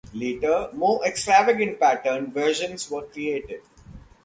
Later, more extravagant patterned versions were created.